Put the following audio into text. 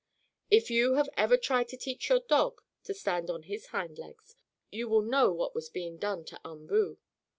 If you have ever tried to teach your dog to stand on his hind legs, you will know what was being done to Umboo.